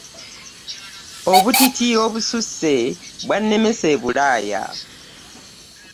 Obutiti obususse bwe bwannemesa e bulaaya.